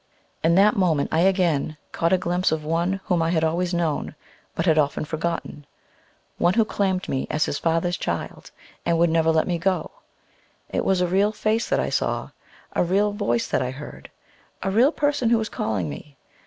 In that moment I again caught a glimpse of One whom I had always known, but had often forgotten, One who claimed me as his Father's child, and would never let me go. It was a real Face that I saw, a real Voice that I heard, a real Person who was calling me.